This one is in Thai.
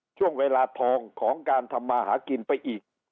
ช่วงเวลาทองของการทำมาหากินไปอีก